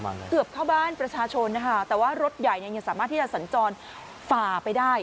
เกือบเข้าบ้านประชาชนนะคะแต่ว่ารถใหญ่เนี่ยยังสามารถที่จะสัญจรฝ่าไปได้